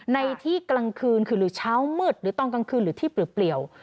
ในที่กลางคืนคือหรือเช้ามืดหรือตอนกลางคืนหรือที่เปลี่ยว